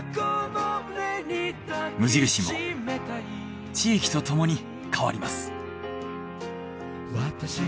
無印も地域と共に変わります。